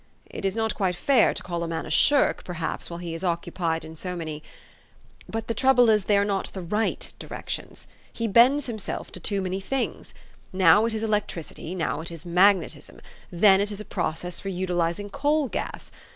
It is not quite fair to call a man a shirk, per haps, while he is occupied in so many but the trouble is, they are not the right directions. He bends himself to too many things. Now it is elec tricity ; now it is magnetism ; then it is a process for utilizing coal gas.